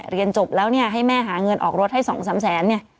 เรียนจบแล้วเนี่ยให้แม่หาเงินออกรถให้๒๓แสนเนี่ย